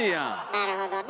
なるほどね。